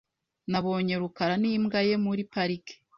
Nabonye rukara n'imbwa ye muri parike .